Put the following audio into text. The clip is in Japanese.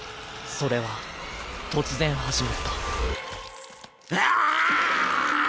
それは突然始まったぐあ！